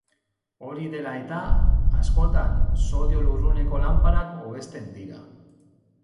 Hori dela-eta, askotan sodio-lurruneko lanparak hobesten dira.